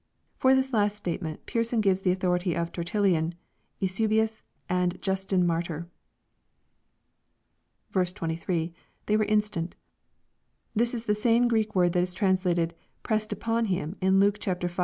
For this last state ment Pearson gives the authority of Tertullian, Eusebius, and Justin Martyr. 23. — [They were instant.] This is the same Q reek word that is trans lated " pressed upon him" in Luke v.